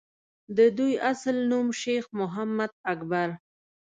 دَدوي اصل نوم شېخ محمد اکبر